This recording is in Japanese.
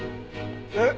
えっ？